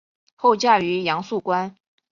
后嫁于杨肃观。